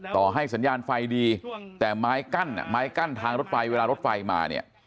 ต่อให้สัญญาณไฟดีแต่ไม้กั้นทางรถไฟเวลารถไฟมา